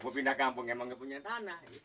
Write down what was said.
mau pindah kampung emang gak punya tanah